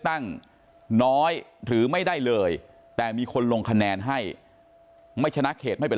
ตั้งน้อยหรือไม่ได้เลยแต่มีคนลงคะแนนให้ไม่ชนะเขตไม่เป็น